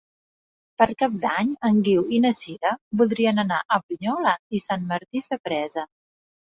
Per Cap d'Any en Guiu i na Sira voldrien anar a Brunyola i Sant Martí Sapresa.